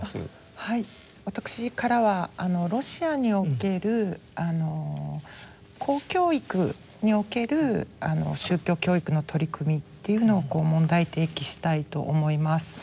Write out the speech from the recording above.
私からはロシアにおける公教育における宗教教育の取り組みっていうのを問題提起したいと思います。